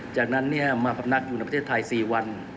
จากนั้นมาพำนักอยู่ในประเทศไทย๔วัน